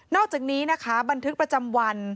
อกจากนี้นะคะบันทึกประจำวัน